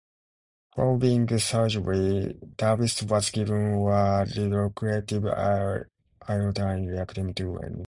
Following surgery, Davis was given a radioactive iodine treatment to kill any remaining cancer.